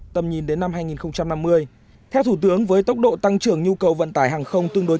tầm nhìn đến năm hai nghìn năm mươi theo thủ tướng với tốc độ tăng trưởng nhu cầu vận tải hàng không tương đối